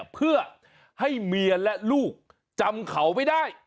เพื่อให้เมียและลูกจำเขาไม่ได้